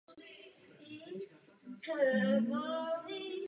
Někdy na počátku osmnáctého století byla stará tvrz přestavěna na barokní zámek.